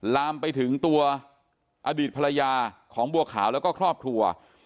ลามไปถึงตัวอดีตภรรยาของบัวขาวแล้วก็ครอบครัว